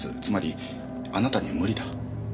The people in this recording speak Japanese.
つまりあなたには無理だ。